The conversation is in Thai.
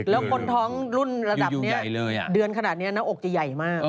แล้วคนท้องรุ่นระดับนี้เดือนขนาดนี้หน้าอกจะใหญ่มาก